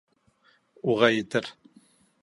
— Уға етер.